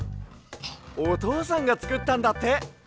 おとうさんがつくったんだって。